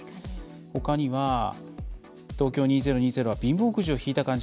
ほかには、Ｔｏｋｙｏ２０２０は貧乏くじを引いた感じ。